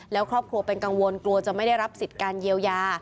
แล้วครอบครัวเป็นกังวลกลัวจะไม่ได้รับสิทธิ์การเยียวยา